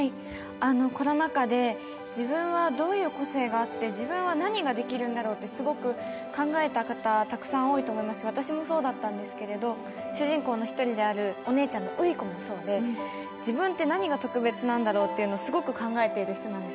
コロナ禍で自分はどういう個性があって、自分は何ができるだろうとすごく考えた方はたくさん多いと思いますし、私もそうだったんですけれど、主人公の１人である羽衣子もそうで、自分って何が特別なんだろうというのをすごく考えている人なんです。